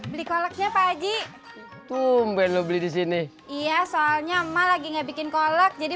beli koleknya pak aji tumben lo beli di sini iya soalnya emang lagi nggak bikin kolek jadi